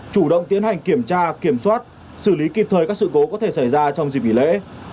chủ động tiến hành kiểm tra kiểm soát xử lý kịp thời các sự cố có thể xảy ra trong dịp nghỉ lễ